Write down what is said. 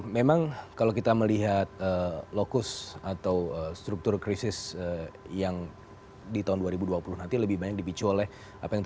memang kalau kita melihat lokus atau struktur krisis yang di tahun dua ribu dua puluh nanti lebih banyak di indonesia